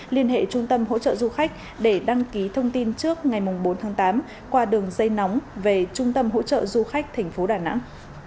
liên hệ trung tâm hỗ trợ du khách để đăng ký thông tin trước ngày bốn tháng tám qua đường dây nóng về trung tâm hỗ trợ du khách thành phố đà nẵng